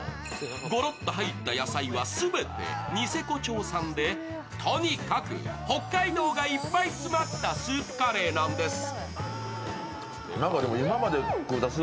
ごろっと入った野菜は全てニセコ町産で、とにかく北海道がいっぱい詰まったスープカレーなんです。